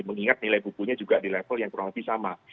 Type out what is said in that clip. mengingat nilai bukunya juga di level yang kurang lebih sama